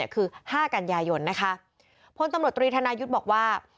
คือ๕กันยายนนะคะพลตำรวจตรีธนายุทธ์บอกว่า